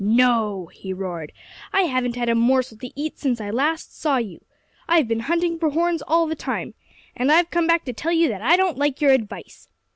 "No!" he roared. "I haven't had a morsel to eat since I last saw you. I've been hunting for horns all this time. And I've come back to tell you that I don't like your advice.